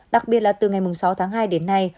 đặc biệt là từ ngày sáu tháng hai đến nay